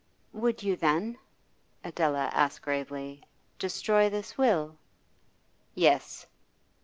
'Would you then,' Adela asked gravely, 'destroy this will?' 'Yes.